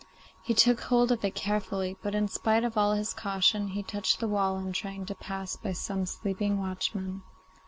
He took hold of it carefully, but in spite of all his caution he touched the wall in trying to pass by some sleeping watchmen.